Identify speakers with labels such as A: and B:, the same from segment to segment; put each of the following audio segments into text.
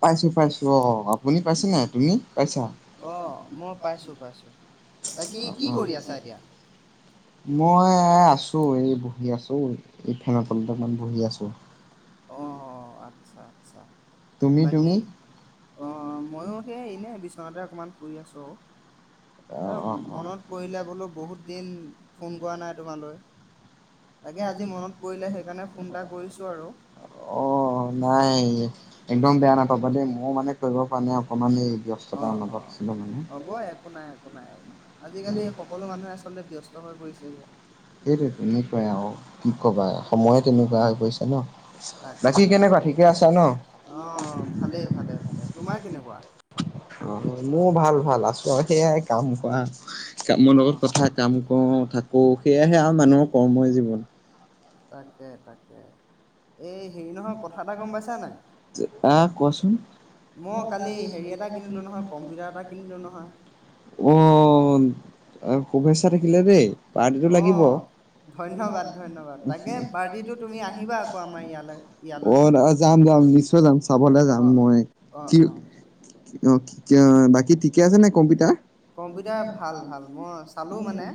A: পাইছো পাইছো আহ, আপুনি পাইছেনে তুমি পাইছা?
B: পাইছো।
A: মই আছো এই বহি আছো এই ফেনৰ কলটান বহি আছো
B: অ আচ্ছা আচ্ছা বাকী অ মইয়ো সেই এনে বিশ দিনতে অকণমান শুই আছো আৰু
A: মতলে বহুত দ ফোনোৱা নাই তোমাল আজি মতলে সেইকাৰণে ফোন কৰিছো আৰু অ নাই একদম বেয়া নাপাবা দেই মই ম মানে কৰিব পৰা নে অকণমান এই ব্যস্ততা অনুভাৱছিলোঁ মানে
B: নাই আজিকালি সকলো মানুহে আচলতে ব্যস্ত গৈছে যে
A: সেইটো তেনেকুৱাই আৰু কি কবা
B: অ তাকে তাকে অ ভালেই ভালে ভালে তোমাৰ কেনেকুৱা
A: মোৰ ভাল ভাল আছো ত সেয়াই কাম খোৱা কামৰ লগত কথা কাম কৰো থাকো সেয়াহে আৰু মানুহৰ কৰ্মই জীৱন
B: তাকে তাকে
A: আহ কোৱাচোন অ আৰু শুভেচ্ছা থাকিলে দেই পাৰ্টিটো লাগিব অ আজ যাম যাম নিশ্চয় যাম চাবলৈ যাম মই কি?
B: কম্পিউটাৰ ভাল ভাল মই চালো মানে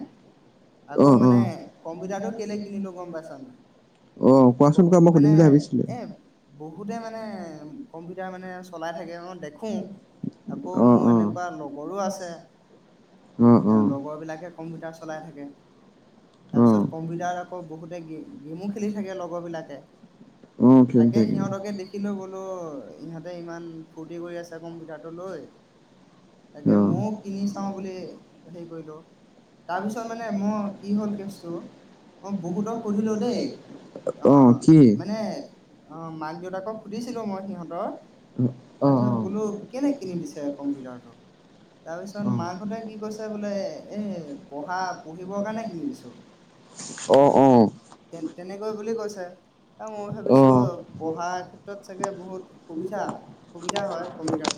B: আকৌ মানে কম্পিউটাৰটো কেলে কিনিলো গম পাইছা নাই মানে। এ বহুতে মানে। কম্পিউাৰ মানে। চলাই থাকে অ দেখো। আকৌ মোৰ এনেকুৱা লগৰো আছে এ লগৰ বিলাকে কম্পিউটাৰ চলাই থাকে তাৰপিছত কম্পিউটাৰত আকৌ বহুতে গেমো খেলি থাকে লগৰ বিলাকে তাকে সিহঁতকে দেখিলো বোলো ইহঁতে ইমান। উম ফূ্তি কৰি আছে কম্পিতৰত। ত লৈ। তাকে ময়ও কিনি চাওঁ বুলি হেৰি কৰিলো তাৰপিছত মানে মই কি হ'ল কেচটো মই বহুতক সুধিলো দেই আহ মানে আহ মাক দেউতাকক সুধিছিলো মই সিহঁতৰ তাৰপিছত বোলো। কেলে কিনি দিছে কম্পিউটাৰটো? তাৰপিছত মাকহঁতে কি কৈছে বোলে এ পঢ়া পঢ়িবৰ কাৰণে কিনি দিছো। তে তেনেকৈ বুলি কৈছে মই ভাবিছো পঢ়াৰ ক্ষেত্ৰত চাগে বহুত সুবিধা সুবিধা হয় কম্পিউটাৰ।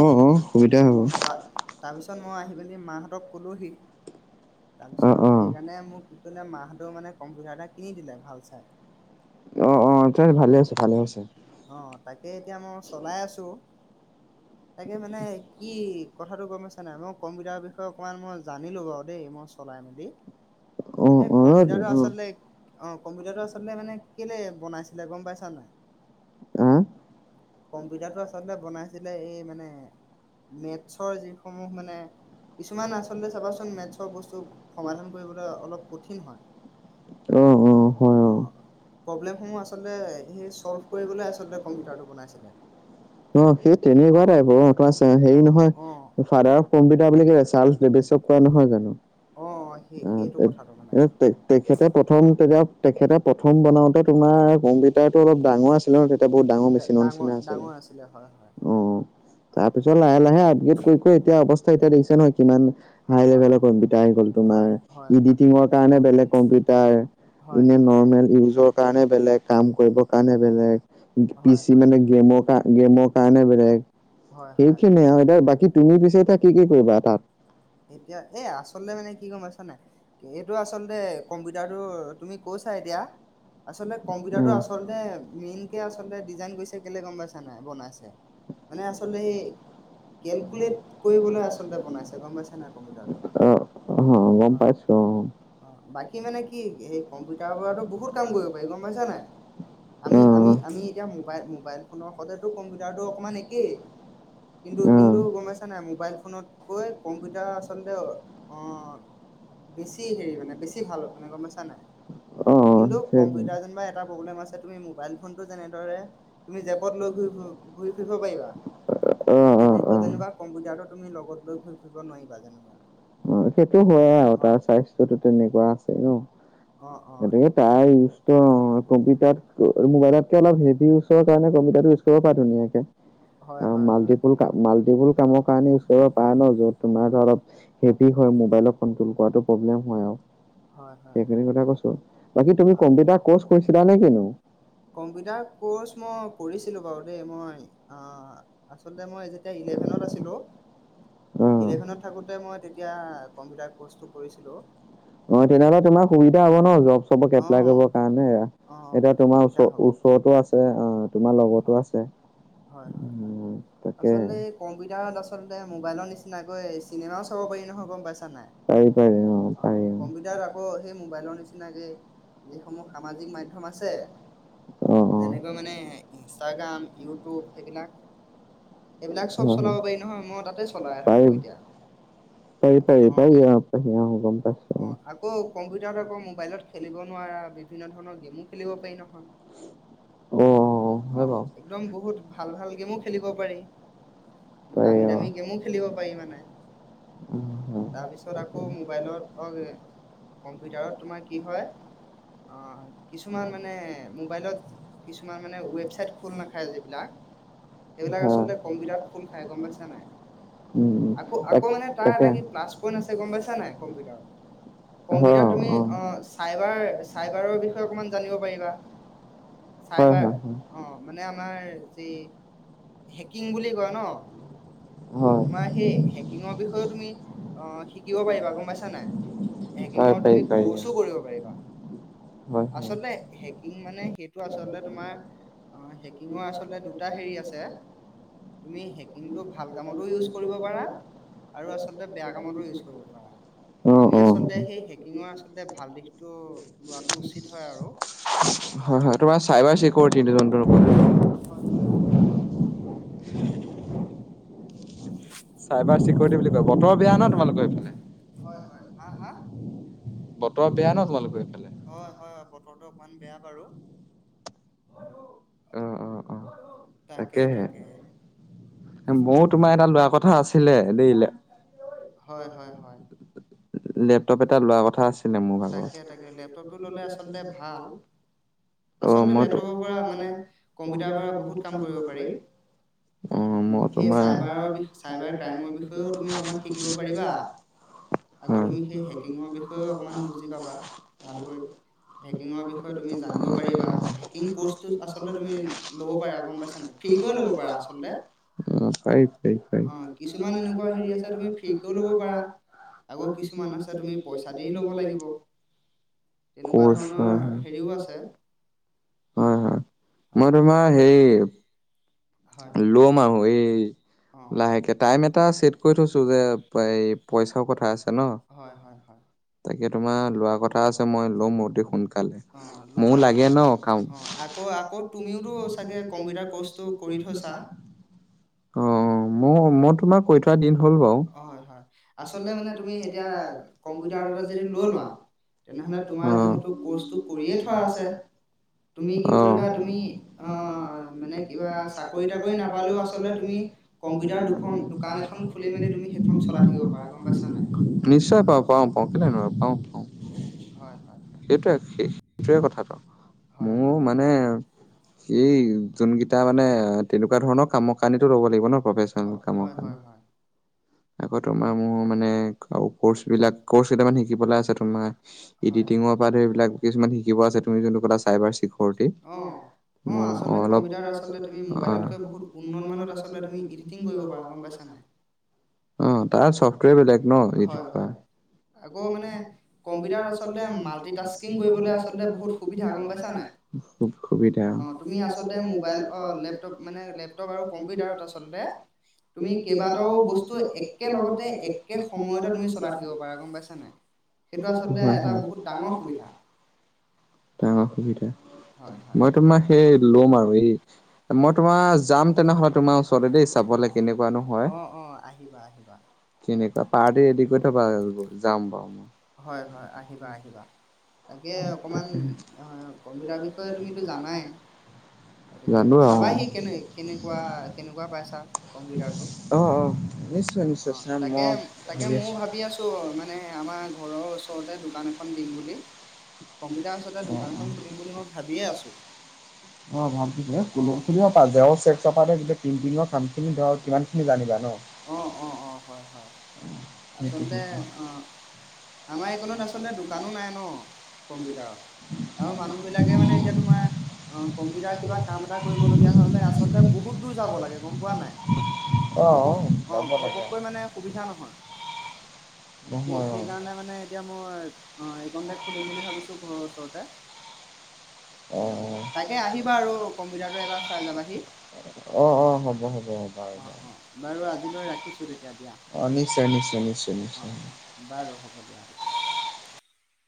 A: উ উ
B: অ ত তাৰপিছত। ত মই আহি পেলি মাহঁতক ক'লোঁহি। তাৰপিছত সেইকাৰণে মোক কি কৰিলে মাহতে। টো মানে কম্পিউটাৰ এটা কিনি দিলে ভাল চাই।
A: অ অ তই ভালে আছ ভালে আছে।
B: তাকে এতিয়া মই চলাই আছো। তাকে মানে কি কথাটো গম পাইছা। ন মই কম্পিউটাৰৰ বিষয়ে অকমান মই জানিলো বাৰু দেই মই চলাই মেলি। এ কম্পিউটাৰটো আচলতে অ কম্পিউটাৰটো আচলতে মানে কেলে বনাইছিলে গম পাইছা নাই?
A: আহ্ আহ অ হয় অ।
B: কৰিবলৈ আচলতে কম্পিউটাৰটো বনাইছিলে।
A: অ সেই তেনেকুৱা টাইপৰ অ তই শেৰি নহয় ফাদাৰ অফ কম্পিউটাৰ বুলি চালফ বেবেচক কোৱা নহয় জানো, নহয় তেখেতে প্ৰথম তেখেতে প্ৰথম বনাওঁতে। তোমাৰ কম্পিউটাৰটো অলপ ডাঙৰ আছে। সেনৰ বহুত ডাঙৰ মেচিনৰ নিচিনা আছিল। অ তাৰপিছত লাহে লাহে আপগ্ৰেড কৰি কৰি অৱস্থা এতিয়া দেখিছে নহয় কিমান হাই লেভেলৰ কম্পিউটাৰ আহি গ'ল তোমাৰ, ইডিটিঙৰ কাৰণে বেলেগ কম্পিউটাৰ এনে নৰ্মেল ইউজৰ কাৰণে। বেলেগ কাম কৰিবৰ কাৰণে বেলেগ।
B: হয় হয় হয় হয় এতিয়া এই আচলতে মানে কি গম পাইছা। হয় নাই এইটো আচলতে কম্পিউটাৰটো তুমি কৈছা এতিয়া
A: এই যে কম্পিউটাৰ টো আচলতে মেইন কে আচলতে কোনে বনালে কোনো আহ আহ গম পাইছো আহধ্উ
B: গম পাইছা‌ নাই আমি আমি আমি এতিয়া মোবাইল মোবাইল ফোনৰ ওপৰতেতো‌ কম্পিউটাৰটো
A: আহ আহ
B: কম্পিউটাৰ যেনিবা এটা প্ৰব্লেম আছে তুমি মোবাইল ফোনটো যেনেদৰে তুমি জেপট লৈ ঘূৰি ফুৰিব ফুৰিব পাৰিবা তেনেকৈ যেনিবা কম্পিউটাৰটো তুমি লগত লৈ ঘূৰি ফুৰিব নোৱাৰিবা যেনা অ
A: গতিকে তাৰ ইউজো কম্পিউটাৰ মোবাইলতকে অলপ হেভি ইউজৰ কাৰণে কম্পিউটাৰ ইউজ কৰিব পাৰ ধুনীয়াকে মাল্টিপ মাল্টিপল কামৰ কাৰণ ইউজ কৰিব পাৰা ন যত তোমাৰ অলপ হেভি হয় মোবাইলত কনট্ৰল কৰাটো প্ৰব্লেম হয় আৰু
B: কম্পিউটাৰ কৰ্চ মই কৰিছিলো বাৰু দেই মই অ আচল মই যেতিয়া ইলেভেনত আছিলো ইলেভেনত থাকোতে মই তেতিয়া কম্পিউটাৰ কৰ্চটো কৰিছিলো
A: সুবিধা হ'ব ন জব চবক এপ্লাই কৰিবৰ কাৰণে এতিয়া তোমাৰ ওচ ওচৰতো আছে অ তোমাৰ লগতো আছে
B: হয় হয় হয় আচলতে কম্পিউটাৰত আচলতে মোবাইলৰ নিচিনাকৈ চিনেমাও চাব পাৰি নহয় গম পাইছা নাই অঁ কম্পিউটাৰত আকৌ সেই মোবাইলৰ নিচিনাকৈ যিসমূহ সামাজিক মাধ্যম আছে যেনেকৈ মানে ইনষ্টাগ্ৰাম ইউটব সেইবিলাক সেইবিলাক চব চলাব পাৰি নহয় মই তাতে এ অ আকৌ কম্পিউটাৰ আকৌ মোবাইলত খেলিব নোৱাৰা বিভিন্ন ধৰণৰ গেমো খেলিব পাৰি নহয় অ একম বহুত ভাল ভাল গেমো খেলিব পাৰি দামী দামী গেমো
A: কিছুমানত কিমান হ
B: আকৌ আকৌ মানে তাৰ এটা কি প্লাছ পইন্ট আছে গম পাইছা নাই কম্পিউটাৰৰ কম্পিউটাৰ তুমি অ চাইবাৰ চাইবাৰৰ বিষয়ে অকমান জানিব পাৰিবা চাইবাৰ অ মানে আমাৰ এই হেকিং বুলি কয় ন তোমাৰ সেই হেকিঙৰ বিষয়েও তুমি অ শিকিব পাৰিবা গম পাইছা নাই হেকিঙৰ তুমি কৰ্চো কৰিব পাৰিবা আচলতে হেকিং মানে সেইটো আচল তোমাৰ হেকিঙৰ মানে দুটা হেৰি আছে তুমি হেকিং টো ভাল কামত
A: আহ উ হয় হয় তোমাৰ চাইবাৰ চিকিউৰিটিোন
B: হয়
A: চাইবাৰ চিকিউৰিটি বুলি কয় বতৰৰ বেয়া ন তোমালোকৰ এইফালে বতৰ বেয়া ন তোমালোকৰ এইফালে
B: তাকে তাকে হয় হয় হয় তাকে তাকে লেপটপটো ললে আচলতে ভাল আচলতে লেপটপৰ পৰা মানে
A: [inaudible] [inaudible] [inaudible] আৰুু ল মোৰমাহ ল'ম আৰুো এই লাহেকে টাইম এটা চছেট কৰি থৈছো যে এই পইচাৰও কথা আছে তাকে তোমাৰ লোৱা কথা আছে মই লম অতি সোনকালে ময় লাগে ন খাম অ মই মই তোমাক কৈ থোৱা দিন হ'ল বাৰু [inaudible]
B: কৰি ত কৰি নাপালেও আচলতে তুমি কম্পিউটাৰ দুখন দোকান এখন খুলি মেলি তুমি সেইখন চলাই থাকিব পাৰা গম পাইছা নাই
A: নিশ্চয় পাওঁ পাওঁ পাওঁ কেনেনুৱা পাওঁ পাওঁ
B: হয় হয়
A: সেইটোৱে কথাটো মোৰ মানে এই যোনকেইটা মানে তেনেকুৱা ধৰণৰ কামৰ কাৰণো ল'ব লাগিব ন প্ৰফেচনেল কামৰ কাৰণি আকৌোমাৰ মহো মানে আৰু বিলাক ক কেইটামান শিকিব আছে তোাৰ এডিটিঙৰ পৰা ধৰিবলাক কিছুমান শিকিব আছে তুমি যোনটো ক চাইবাৰ চিকৰিটি অলপ অ অ তাৰফটৰ বে কৌুাইছা নাইিমিেইবাটাও বস্তু এক ডাঙৰ সুবিধা মই তোমাৰ সেই লম আৰু এই মই তোমাৰ যাম তেনেহলে তোমাৰ ওচৰতে দেই চাবলে কেনেকুৱানো হয় কেনেকুৱা পাৰ্টি ৰেডি কৰি থবা যাম বাৰু মই
B: তাকে অকণমান হয় কম্পিউটাৰ বিষয়ে তুমিতো জানাই গতিকে চাবাহি কেনে কেনেকুৱা কেনেকুৱা পাইছা কম্পিউটাৰটো অঁ তাকে
A: ভাবি আছোল মে আমাৰ ঘৰ দিম বুলি অ ভিব পাৰ চেক চপা পিণ্টিঙৰ কামখিনি ধৰক কিমানখিনি জানিবা ন উ উ আমাৰ আচল দোকানো নাই ন
B: কম্পিউটাৰৰ আৰু মানুহবিলাকে মানে এতিয়া তোমাৰ কম্পিউটাৰ কিবা কাম এটা কৰিবলগীয়া হ'লে আচলতে বহুত দূৰ যাব লাগে গম পোৱা নাই অ ঘপককৈ মানে সুবিধা নহয় স সেইকাৰণে মানে এতিয়া মই অ
A: অ অ অ হ'ব হব হ'ব এইবাৰ
B: আজিলৈ ৰাখিছোঁ তেতিয়া দিয়া অঁ অঁ বাৰু হ'ব দিয়া তেতিয়া